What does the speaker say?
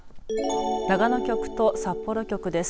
長野局と札幌局です。